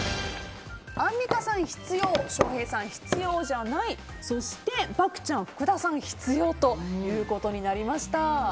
アンミカさん、必要翔平さん、必要じゃない漠ちゃん、福田さんは必要ということになりました。